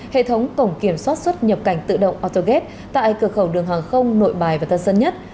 hệ thống tổng kiểm soát xuất nhập cảnh tự động autoget tại cửa khẩu đường hàng không nội bài và thân dân nhất